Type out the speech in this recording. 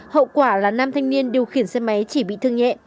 hậu quả là nam thanh niên điều khiển xe máy chỉ bị thương nhẹ